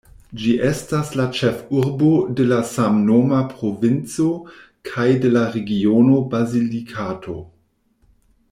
Ĝi estas la ĉefurbo de la samnoma provinco kaj de la regiono Basilikato.